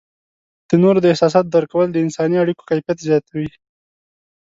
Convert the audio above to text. د نورو د احساساتو درک کول د انسانی اړیکو کیفیت زیاتوي.